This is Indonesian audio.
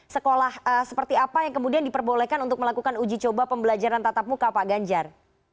sekolah seperti apa yang kemudian diperbolehkan untuk melakukan uji coba pembelajaran tatap muka pak ganjar